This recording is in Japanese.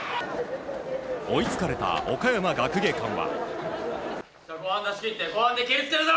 追いつかれた岡山学芸館は。